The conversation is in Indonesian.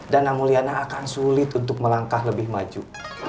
dan namuliana akan sulit untuk melangkah lebih maju